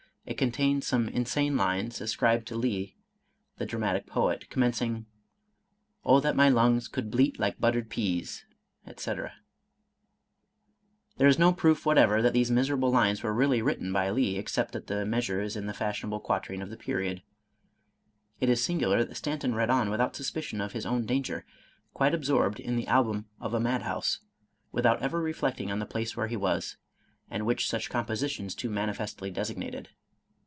It contained some insane lines, ascribed to Lee the dramatic poet, commencing, 0 that my Itings could bleat like buttered pease," &c. l88 Charles Robert Maturin There is no proof whatever that these miserable lines were really written by Lee, except that the measure is the fashionable quatrain of the period. It is singular that Stan ton read on without suspicion of his own danger, quite absorbed in the album of a madhouse, without ever reflecting on the place where he was, and which such compositions too manifestly designated.